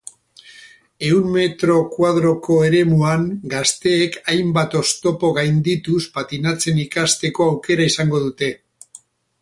Ehun metro koadroko eremuan gazteek hainbat oztopo gaindituz patinatzen ikasteko aukera izango dute.